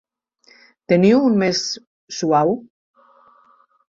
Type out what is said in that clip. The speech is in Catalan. Teniu un més suau?